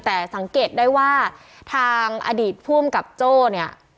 แต่สังเกตได้ว่าทางอดีตภูมิกับโจ้เนี่ย